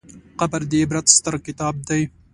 قبر د عبرت ستر کتاب دی.